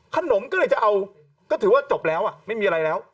ขนมก็เลยจะเอาก็ถือว่าจบแล้วไม่มีอะไรแล้ว